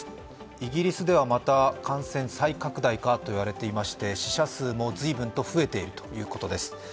イギリスではまた感染再拡大かと言われていまして、死者数も随分と増えているということです。